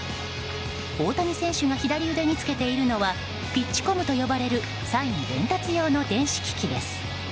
大谷選手が左腕につけているのはピッチコムと呼ばれるサイン伝達用の電子機器です。